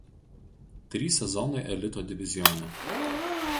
Trys sezonai elito divizione.